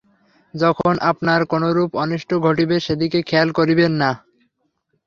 যখন আপনার কোনরূপ অনিষ্ট ঘটিবে, সেদিকে খেয়াল করিবেন না।